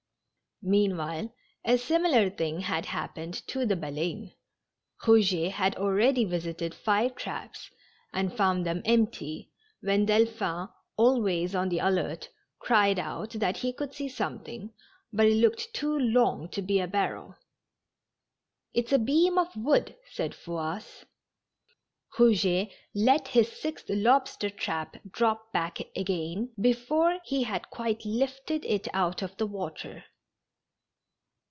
Meanwliile a similar thing had happened to the Baleine, Eouget had already visited five traps, and found them empty, when Delphi n, always on the alert, cried out that he could see something, but it looked too long to be a barrel. It's a beam of wood," said Fouasse. Eouget let his sixth lobster trap drop back again before he had quite lifted it out of the water.